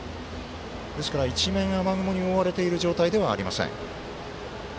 ですから、一面、雨雲に覆われている状況ではありません。